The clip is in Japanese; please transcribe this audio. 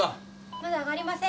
まだ上がりません！